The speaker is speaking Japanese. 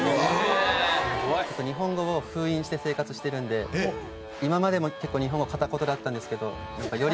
日本語を封印して生活しているので今までも結構日本語片言だったんですけど。